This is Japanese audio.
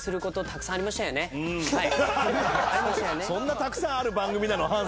そんなたくさんある番組なの？